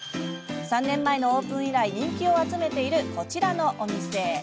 ３年前のオープン以来人気を集めている、こちらのお店。